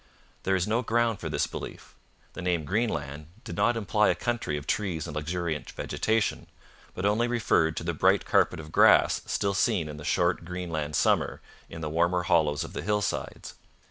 There is no ground for this belief. The name 'Greenland' did not imply a country of trees and luxuriant vegetation, but only referred to the bright carpet of grass still seen in the short Greenland summer in the warmer hollows of the hillsides.